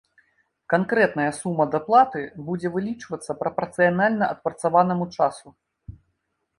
Канкрэтная сума даплаты будзе вылічвацца прапарцыянальна адпрацаванаму часу.